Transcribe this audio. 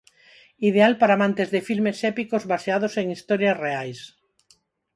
Ideal para amantes de filmes épicos baseados en historias reais.